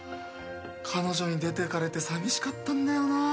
彼女に出てかれてさみしかったんだよなぁ。